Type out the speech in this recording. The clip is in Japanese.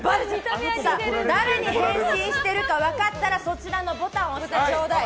誰に変身してるか分かったらそちらのボタンを押してちょうだい。